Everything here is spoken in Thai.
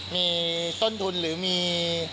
มีต้นทุนหรือมี